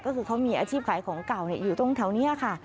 ก็คือเขามีอาชีพขายของเก่าอยู่ตรงแถวนี้ค่ะ